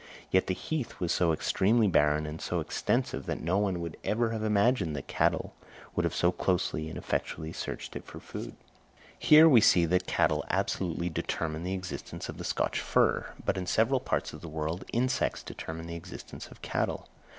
Yet the heath was so extremely barren and so extensive that no one would ever have imagined that cattle would have so closely and effectually searched it for food. Here we see that cattle absolutely determine the existence of the Scotch fir; but in several parts of the world insects determine the existence of cattle.